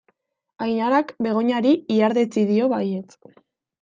Ainarak Begoñari ihardetsi dio baietz.